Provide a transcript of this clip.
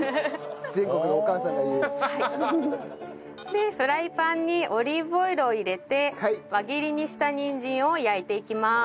でフライパンにオリーブオイルを入れて輪切りにしたにんじんを焼いていきます。